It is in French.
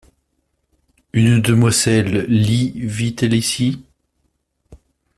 Une demoiselle Lee vit-elle ici ?